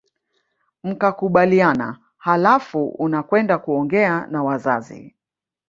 Mkakubaliana halafu unakwenda kuongea na wazazi